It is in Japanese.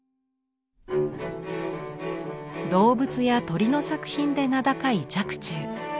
動物や鳥の作品で名高い若冲。